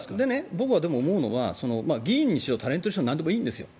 僕は思うのは議員にしろタレントにしろなんでもいいんですよ。